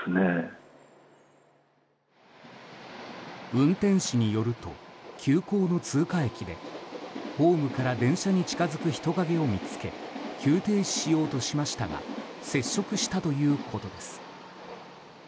運転手によると急行の通過駅でホームから電車に近づく人影を見つけ急停止しようとしましたが接触したということです。